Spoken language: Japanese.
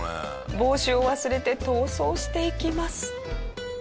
帽子を忘れて逃走していきます。